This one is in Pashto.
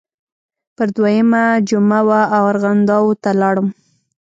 پر دویمه یې جمعه وه ارغنداو ته لاړم.